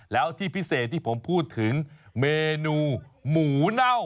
แล้วที่พิเศษที่ผมพูดถึงเมนูหมูเน่า